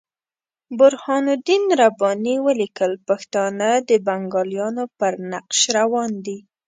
برهان الدین رباني ولیکل پښتانه د بنګالیانو پر نقش روان دي.